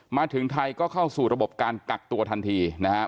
มาถึงไทยก็เข้าสู่ระบบการกักตัวทันทีนะครับ